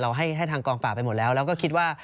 ให้ทางกองปราบไปหมดแล้วแล้วก็คิดว่า